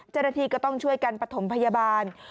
จริงก็ต้องช่วยกันปฐมพยาบาล